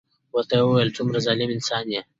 ورته يې وويل څومره ظلم انسان يې.